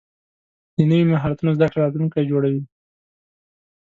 د نوي مهارتونو زده کړه راتلونکی جوړوي.